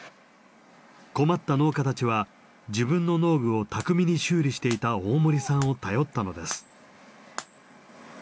困った農家たちは自分の農具を巧みに修理していた大森さんを頼ったのです。